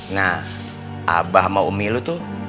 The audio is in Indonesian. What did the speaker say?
nah abah sama umi lu tuh